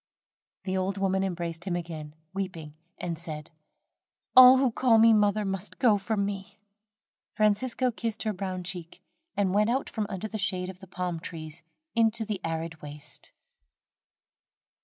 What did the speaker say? The old woman embraced him again, weeping, and said: "All who call me mother must go from me." Francisco kissed her brown cheek, and went out from under the shade of the palm trees into the arid waste.